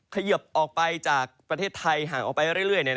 เขยิบออกไปจากประเทศไทยห่างออกไปเรื่อย